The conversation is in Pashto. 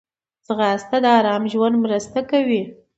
ځغاسته د آرام ژوند مرسته کوي